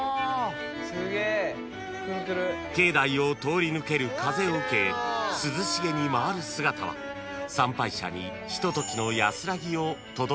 ［境内を通り抜ける風を受け涼しげに回る姿は参拝者にひとときの安らぎを届けてくれます］